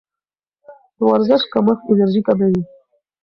د ورزش کمښت انرژي کموي.